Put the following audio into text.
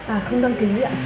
à không đăng ký ạ